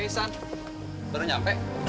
eh san baru nyampe